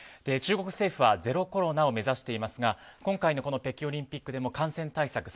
中国政府はゼロコロナを目指していますが今回の北京オリンピックでも感染対策